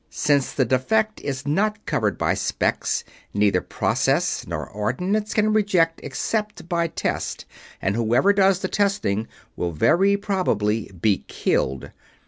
Since the defect is not covered by specs, neither Process nor Ordnance can reject except by test, and whoever does the testing will very probably be killed.